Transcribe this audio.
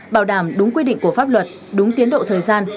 bảo đảm đúng quy định của pháp luật đúng tiến độ thời gian